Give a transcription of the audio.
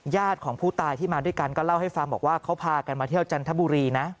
ญาติของผู้ตายที่มาด้วยกันก็เล่าให้ฟังบอกว่าเขาพากันมาเที่ยวจันทบุรีนะ